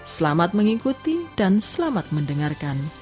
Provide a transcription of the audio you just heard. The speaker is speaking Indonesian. selamat mengikuti dan selamat mendengarkan